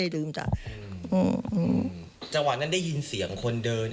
ลุกขึ้นวิ่งออกเลย